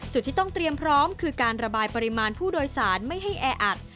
จุดที่ต้องเตรียมพร้อมคือการระบายปริมาณผู้โดยสารไม่ให้แออัด